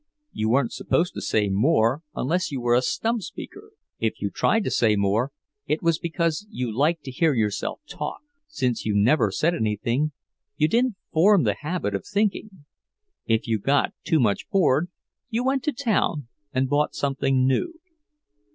You weren't supposed to say more unless you were a stump speaker, if you tried to say more, it was because you liked to hear yourself talk. Since you never said anything, you didn't form the habit of thinking. If you got too much bored, you went to town and bought something new.